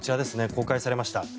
公開されました。